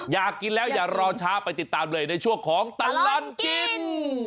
อยากกินแล้วอย่ารอช้าไปติดตามเลยในช่วงของตลอดกิน